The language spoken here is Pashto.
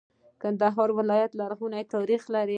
کندهار ولایت لرغونی تاریخ لري.